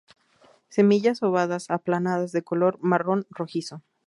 Semillas ovadas, aplanadas, de color marrón rojizo.